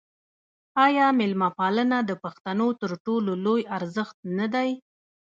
آیا میلمه پالنه د پښتنو تر ټولو لوی ارزښت نه دی؟